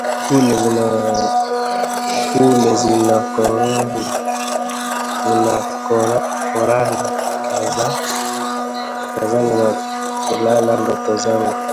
kule zinakoranda fikra zangu na kulala ndoto zangu